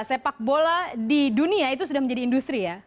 sepak bola di dunia itu sudah menjadi industri ya